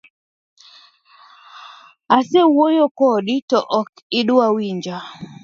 Asewuoyo kodi to ok idwar winja.